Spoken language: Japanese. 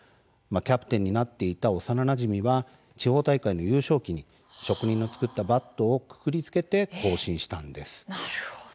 キャプテンになっていた幼なじみは、地方大会優勝旗に職人の作ったバットをくくりつけて行進したんです。